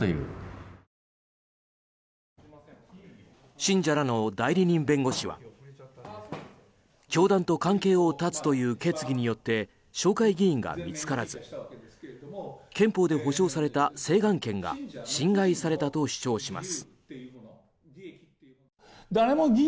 信者らの代理人弁護士は教団と関係を断つという決議によって紹介議員が見つからず憲法で保障された請願権が侵害されたと主張します。